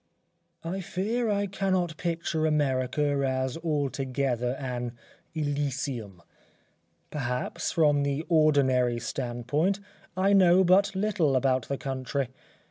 I fear I cannot picture America as altogether an Elysium perhaps, from the ordinary standpoint I know but little about the country.